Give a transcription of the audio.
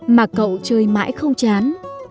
mà cậu chơi mãi không chán